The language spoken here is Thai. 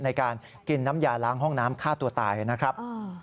ในการกินน้ำยาล้างห้องน้ำฆ่าตัวตายนะครับ